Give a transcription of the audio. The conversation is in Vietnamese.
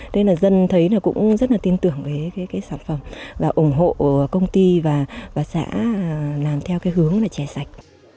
thế là dân thấy cũng rất là tin tưởng với cái sản phẩm và ủng hộ công ty và xã làm theo cái hướng là chè sạch